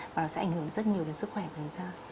và nó sẽ ảnh hưởng rất nhiều đến sức khỏe của chúng ta